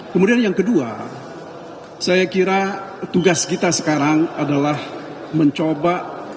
kemudian yang kedua saya kira tugas kita sekarang adalah mencoba